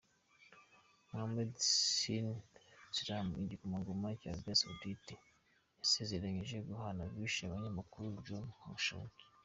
Mohammed bin Salman, igikomangoma cya Arabie Saoudite, yasezeranyije guhana 'abishe' umunyamakuru Jamal Khashoggi.